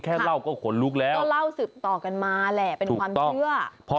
แค่เล่าก็ขนลุกแล้วก็เล่าสืบต่อกันมาแหละเป็นความเชื่อ